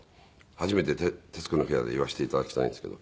初めて『徹子の部屋』で言わせて頂きたいんですけど。